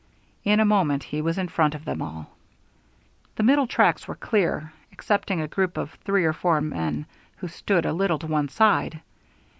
In a moment he was in front of them all. The middle tracks were clear, excepting a group of three or four men, who stood a little to one side.